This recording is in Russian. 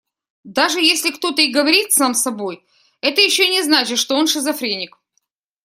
Даже если кто-то и говорит сам с собой, это ещё не значит, что он шизофреник.